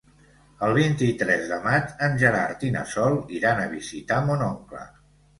El vint-i-tres de maig en Gerard i na Sol iran a visitar mon oncle.